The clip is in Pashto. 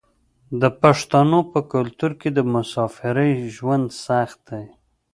د پښتنو په کلتور کې د مسافرۍ ژوند سخت دی.